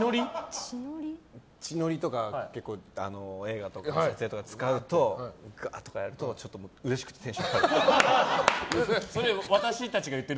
血のりとか結構映画の撮影とかで使うとちょっと、うれしくてテンション上がる。